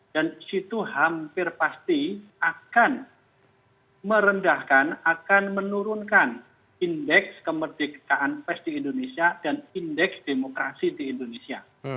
dan situ hampir pasti akan merendahkan akan menurunkan indeks kemerdekaan pers di indonesia dan indeks demokrasi di indonesia